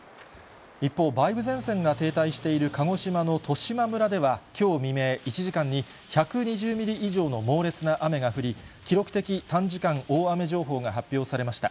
一方、梅雨前線が停滞している鹿児島の十島村では、きょう未明、１時間に１２０ミリ以上の猛烈な雨が降り、記録的短時間大雨情報が発表されました。